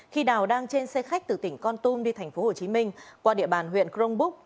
khi đào đang trên xe khách từ tỉnh con tum đi tp hcm qua địa bàn huyện crong búc